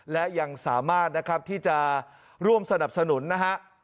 และยังสามารถนะครับที่จะร่วมสนับสนุนนะฮะ